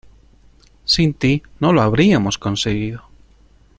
Sin ti no lo habríamos conseguido.